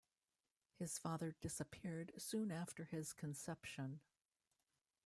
His father disappeared soon after his conception.